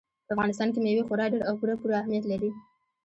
په افغانستان کې مېوې خورا ډېر او پوره پوره اهمیت لري.